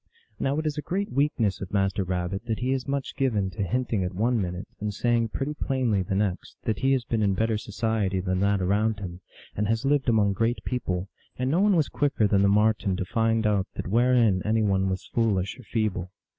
Now it is a great weakness of Master Rabbit that he is much given to hinting at one minute, and saying pretty plainly the next, that he has been in better so ciety than that around him, and has lived among great people, and no one was quicker than the Marten to find out that wherein any one was foolish or feeble.